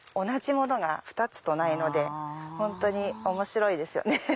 同じものが２つとないので本当に面白いですよね。